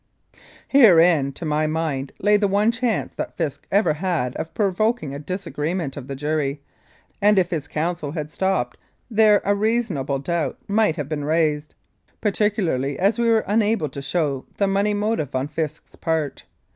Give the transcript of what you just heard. Herein, to my mind, lay the one chance that Fisk ever had of provoking a disagreement of the jury, and if his counsel had stopped there a "reasonable doubt" might have been raised, particularly as we were unable to show the money motive on Fisk's part.